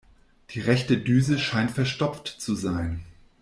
Die rechte Düse scheint verstopft zu sein.